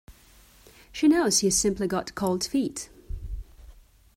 She knows you simply got cold feet.